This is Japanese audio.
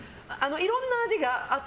いろんな味があって。